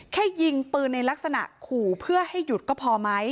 ยิงปืนในลักษณะขู่เพื่อให้หยุดก็พอไหม